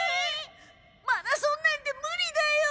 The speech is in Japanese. マラソンなんて無理だよ！